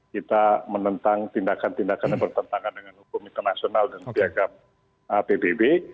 kita menentang tindakan tindakan yang bertentangan dengan hukum internasional dan piagam pbb